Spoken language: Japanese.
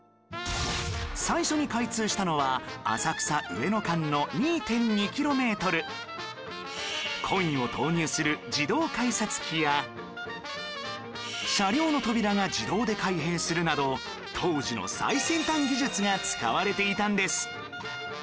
最初に開通したのはコインを投入する自動改札機や車両の扉が自動で開閉するなど当時の最先端技術が使われていたんです